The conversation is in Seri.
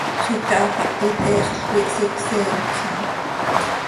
Xiica hapahit heexl coi hsicseenpx aha.